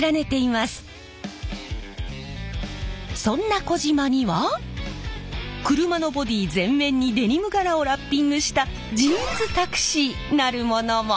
そんな児島には車のボディー全面にデニム柄をラッピングしたジーンズタクシーなるものも！